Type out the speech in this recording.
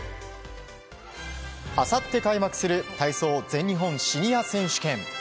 あさって開幕する体操全日本シニア選手権。